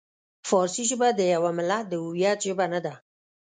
فارسي ژبه د یوه ملت د هویت ژبه نه ده.